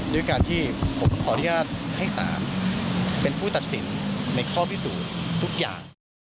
ด้วยการที่ผมขออนุญาตให้สารเป็นผู้ตัดสินในข้อพิสูจน์ทุกอย่าง